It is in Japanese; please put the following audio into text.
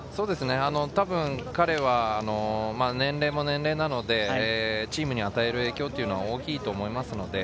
多分、彼は年齢も年齢なので、チームに与える影響も大きいと思います。